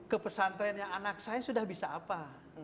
ke pesan trennya anak saya sudah bisa apa